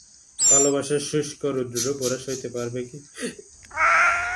– ভালোবাসার শুষ্ক রুদ্ররূপ ওরা সইতে পারবে কী করে?